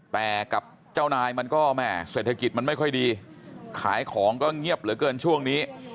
แต่กับเจ้านายมันก็แม่เศรษฐกิจมันไม่ค่อยดีขายของก็เงียบเหลือเกินช่วงนี้